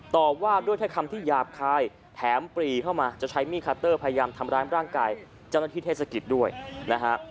ต่อว่าด้วยถ้อยคำที่หยาบคายแถมปรีเข้ามาจะใช้มีดคัตเตอร์พยายามทำร้ายร่างกายเจ้าหน้าที่เทศกิจด้วยนะฮะ